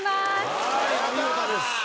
お見事です。